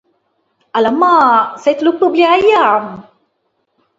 Alamak, saya terlupa beli ayam!